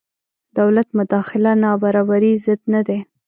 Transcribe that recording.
دولت مداخله نابرابرۍ ضد نه دی.